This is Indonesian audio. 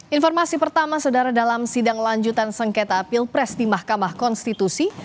informasi pertama saudara dalam sidang lanjutan sengketa pilpres di mahkamah konstitusi